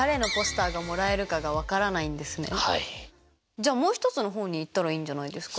じゃあもう１つの方に行ったらいいんじゃないんですか？